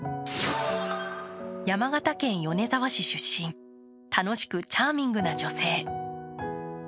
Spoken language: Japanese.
山形県米沢市出身、楽しくチャーミングな女性。